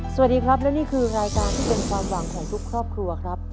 สวัสดีครับและนี่คือรายการที่เป็นความหวังของทุกครอบครัวครับ